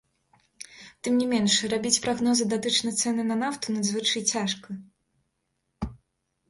Тым не менш, рабіць прагнозы датычна цэны на нафту надзвычай цяжка.